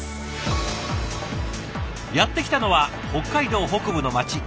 やって来たのは北海道北部の町